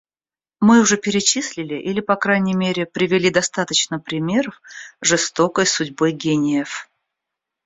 Мы уже перечислили или, по крайней мере, привели достаточно примеров жестокой судьбы гениев.